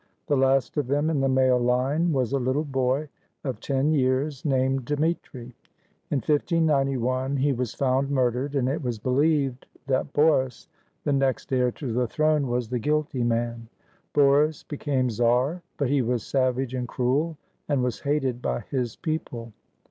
The last of them in the male line was a little boy of ten years, named Dmitri. In 1591, he was found murdered, and it was believed that Boris, the next heir to the throne, was the guilty man. Boris became czar, but he was savage and cruel and was hated by his people.